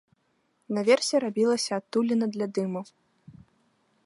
Наверсе рабілася адтуліна для дыму.